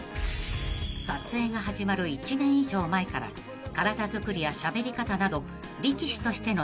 ［撮影が始まる１年以上前から体作りやしゃべり方など力士としての所作を学び